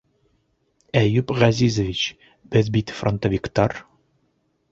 Әйүп Ғәзизович... беҙ бит фронтовиктар.